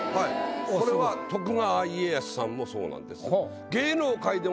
これは徳川家康さんもそうなんです。